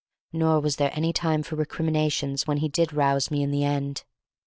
Nor was there any time for recriminations when he did rouse me in the end.